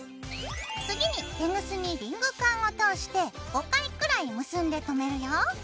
次にテグスにリングカンを通して５回くらい結んでとめるよ。